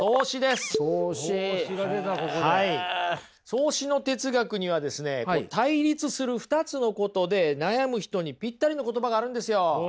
荘子の哲学にはですね対立する２つのことで悩む人にぴったりの言葉があるんですよ。